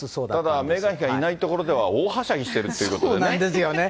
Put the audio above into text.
ただメーガン妃がいない所では、大はしゃぎしてるってことでそうなんですよね。